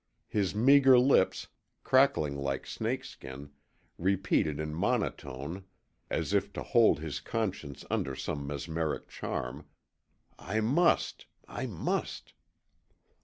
His meagre lips, crackling like snake skin, repeated in monotone, as if to hold his conscience under some mesmeric charm, 'I must! I must!'